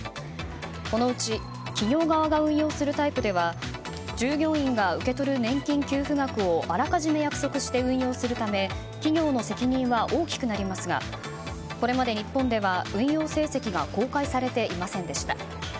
このうち企業側が運用するタイプでは従業員が受け取る年金給付額をあらかじめ約束して運用するため企業の責任は大きくなりますがこれまで、日本では運用成績が公開されていませんでした。